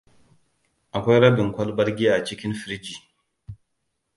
Akwai rabin kwalbar giya cikin firji.